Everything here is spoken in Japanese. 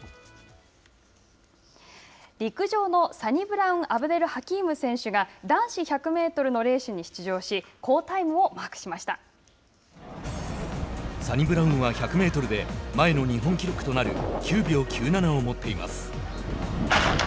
陸上のサニブラウンアブデルハキーム選手が男子１００メートルのレースに出場しサニブラウンは１００メートルで前の日本記録となる９秒９７を持っています。